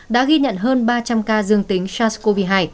đã ghi nhận hơn ba trăm linh ca dương tính sars cov hai